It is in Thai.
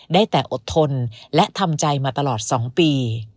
ได้แต่อดทนและทำใจมาตลอด๒ปี